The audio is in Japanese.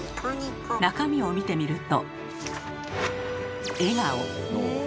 中身を見てみると。